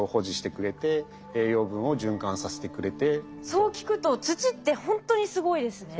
そう聞くと土ってほんとにすごいですね。